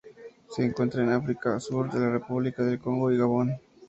Se encuentran en África: sur de la República del Congo y Gabón.